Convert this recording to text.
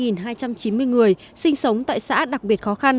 một trăm tám mươi ba hai trăm chín mươi người sinh sống tại xã đặc biệt khó khăn